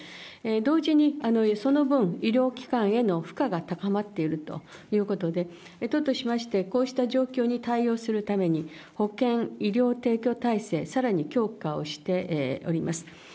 同時にその分、医療機関への負荷が高まっているということで、都としまして、こうした状況に対応するために、保険、医療提供体制、さらに強化をしております。